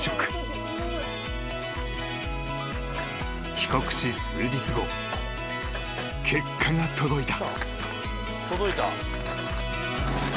［帰国し数日後結果が届いた］